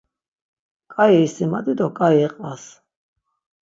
K̆ai isimadi do k̆ai iqvas.